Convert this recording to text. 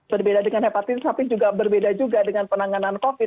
berbeda dengan hepatitis tapi juga berbeda juga dengan penanganan covid